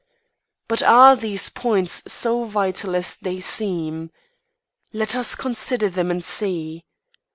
"But are these points so vital as they seem? Let us consider them, and see.